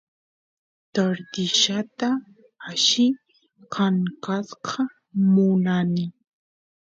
tortillata alli kankasqa munani